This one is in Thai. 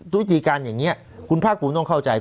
ตรวจดีการอย่างนี้คุณภาคปุ๊มต้องเข้าใจ